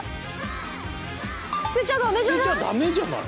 捨てちゃダメじゃない？